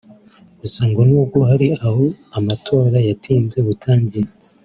Gusa ngo nubwo hari aho matora yatinze gutangira